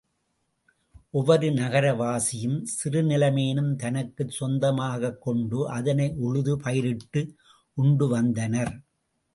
ஒவ்வொரு நகர வாசியும், சிறு நிலமேனும் தனக்குச் சொந்தமாகக்கொண்டு அதனை உழுது பயிரிட்டு உண்டுவந்தனர்.